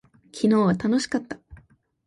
昨日は楽しかった。